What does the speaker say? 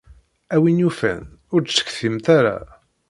A win yufan, ur d-ttcetkimt ara.